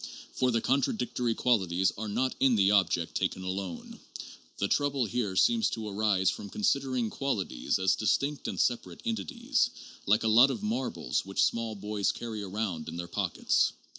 For the contradictory qualities are not in the object taken alone. The trouble here seems to arise from considering qualities as distinct and separate entities, like a lot of marbles which small boys carry around in their pockets.